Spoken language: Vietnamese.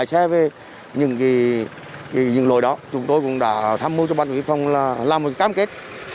lại xe về những lỗi đó chúng tôi cũng đã tham mưu cho bản vi phong là làm một cam kết